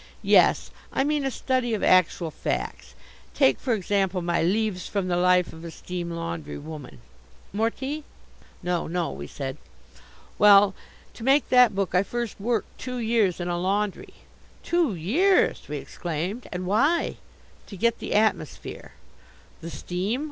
"Yes. I mean a study of actual facts. Take, for example, my Leaves from the Life of a Steam Laundrywoman more tea?" "No, no," we said. "Well, to make that book I first worked two years in a laundry." "Two years!" we exclaimed. "And why?" "To get the atmosphere." "The steam?"